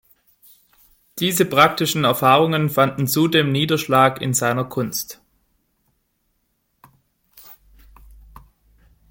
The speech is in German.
Diese praktischen Erfahrungen fanden zudem Niederschlag in seiner Kunst.